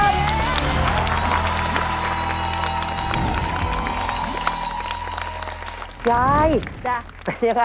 เย้ครับครับครับสวัสดีครับ